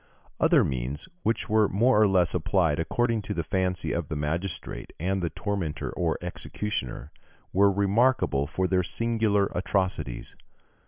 Other means, which were more or less applied according to the fancy of the magistrate and the tormentor or executioner, were remarkable for their singular atrocities.